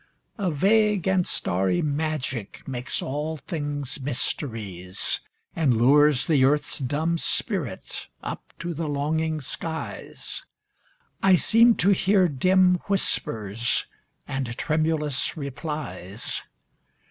A vague and starry magic Makes all things mysteries, And lures the earth's dumb spirit Up to the longing skies, I seem to hear dim whispers, And tremulous replies.